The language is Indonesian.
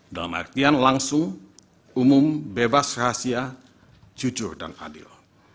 dalam artian langsung umum bebas rahasia jujur dan adil